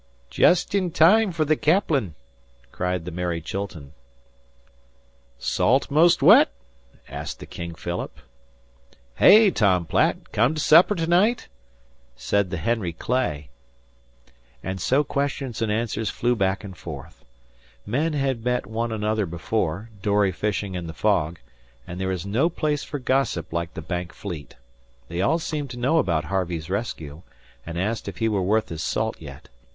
"Jest in time fer the caplin," cried the Mary Chilton. "'Salt 'most wet?" asked the King Philip. "Hey, Tom Platt! Come t' supper to night?" said the Henry Clay; and so questions and answers flew back and forth. Men had met one another before, dory fishing in the fog, and there is no place for gossip like the Bank fleet. They all seemed to know about Harvey's rescue, and asked if he were worth his salt yet.